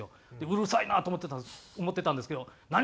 うるさいなと思ってたんですけど「何？